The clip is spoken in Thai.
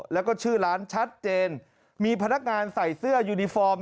แล้วก็ชื่อร้านชัดเจนมีพนักงานใส่เสื้อยูนิฟอร์ม